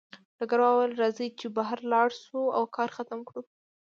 ډګروال وویل راځئ چې بهر لاړ شو او کار ختم کړو